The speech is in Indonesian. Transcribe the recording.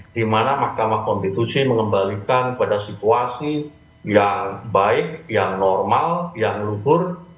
di mana mahkamah konstitusi mengembalikan pada situasi yang baik yang normal yang luhur